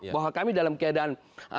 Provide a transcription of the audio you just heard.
bahwa kami dalam keadaan